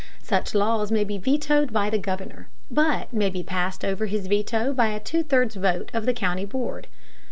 Such laws may be vetoed by the Governor, but may be passed over his veto by a two thirds vote of the county board.